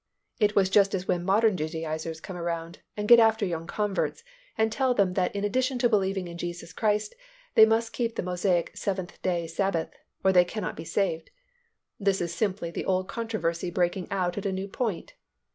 It was just as when modern Judaizers come around and get after young converts and tell them that in addition to believing in Jesus Christ, they must keep the Mosaic Seventh Day Sabbath, or they cannot be saved. This is simply the old controversy breaking out at a new point.